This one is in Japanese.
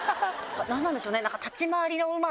何なんでしょうね？